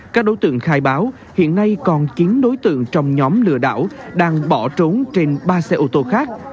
các đối tượng khai báo hiện nay còn chín đối tượng trong nhóm lừa đảo đang bỏ trốn trên ba xe ô tô khác